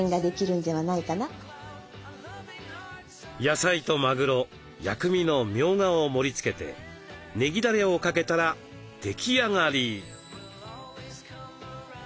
野菜とまぐろ薬味のみょうがを盛りつけてねぎだれをかけたら出来上がり。